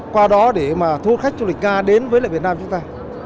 qua đó để thu hút khách du lịch nga đến với việt nam chúng ta